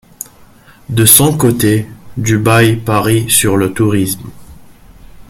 De son côté, Dubaï parie sur le tourisme.